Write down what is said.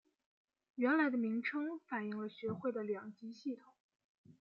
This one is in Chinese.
原来的名称反应了学会的两级系统。